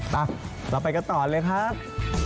เราไปกันต่อเลยครับ